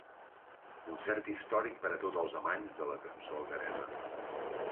Concert històric per a tots els amants de la cançó Algueresa.